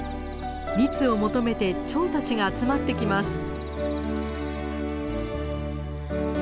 蜜を求めてチョウたちが集まってきます。